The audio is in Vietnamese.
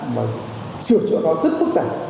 mà sửa chữa nó rất phức tạp